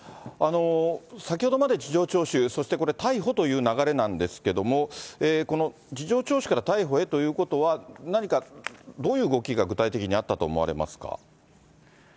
先ほどまで事情聴取、そしてこれ、逮捕という流れなんですけれども、この事情聴取から逮捕へということは、何か、どういう動きが具体的にあったと思われますか？